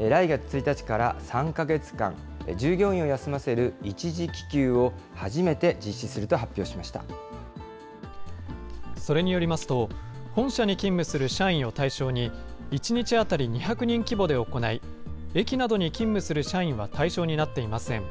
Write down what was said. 来月１日から３か月間、従業員を休ませる一時帰休を初めて実施すそれによりますと、本社に勤務する社員を対象に、１日当たり２００人規模で行い、駅などに勤務する社員は対象になっていません。